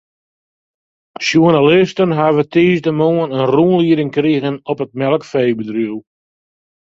Sjoernalisten hawwe tiisdeitemoarn in rûnlieding krigen op it melkfeebedriuw.